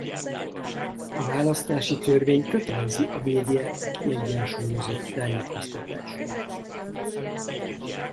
A választási törvény kötelezi a médiát a kiegyensúlyozott tájékoztatásra.